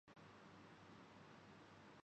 دنیا کے واحد نر سفید گینڈے کو مار دیا گیا